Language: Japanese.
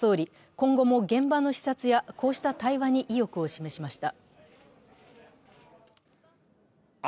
今後も現場の視察やこうした対話に意欲を示しました。